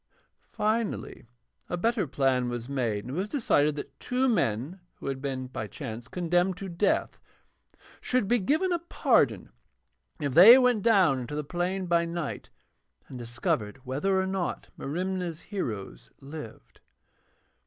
Finally, a better plan was made, and it was decided that two men who had been by chance condemned to death should be given a pardon if they went down into the plain by night and discovered whether or not Merimna's heroes lived.